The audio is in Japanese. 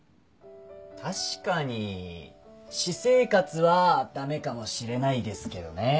確かに私生活は駄目かもしれないですけどね。